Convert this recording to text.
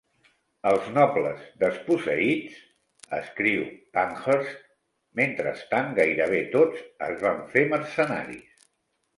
"Els nobles desposseïts", escriu Pankhurst, "mentrestant, gairebé tots es van fer mercenaris".